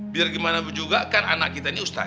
biar gimana bu juga kan anak kita ini ustadzah